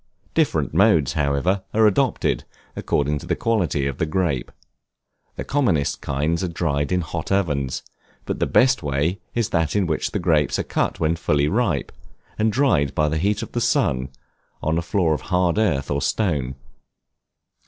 Different modes, however, are adopted, according to the quality of the grape. The commonest kinds are dried in hot ovens, but the best way is that in which the grapes are cut when fully ripe, and dried by the heat of the sun, on a floor of hard earth or stone.